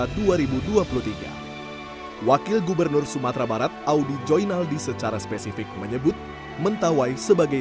sumatra dua ribu dua puluh tiga wakil gubernur sumatra barat audi join aldi secara spesifik menyebut mentawai sebagai